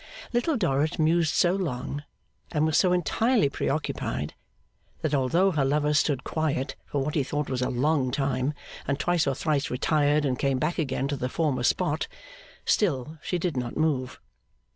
Little Dorrit mused so long, and was so entirely preoccupied, that although her lover stood quiet for what he thought was a long time, and twice or thrice retired and came back again to the former spot, still she did not move.